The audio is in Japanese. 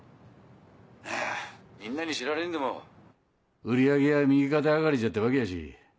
まぁみんなに知られんでも売り上げは右肩上がりじゃったわけやし。